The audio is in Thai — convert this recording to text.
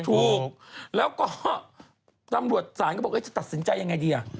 ถูกแล้วก็ตำรวจศาลก็บอกจะตัดสินใจยังไงดีอ่ะ